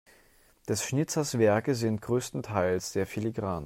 Des Schnitzers Werke sind größtenteils sehr filigran.